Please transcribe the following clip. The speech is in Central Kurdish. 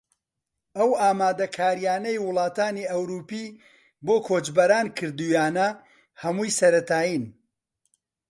ئەو ئامادەکارییانەی وڵاتانی ئەوروپی بۆ کۆچبەران کردوویانە هەمووی سەرەتایین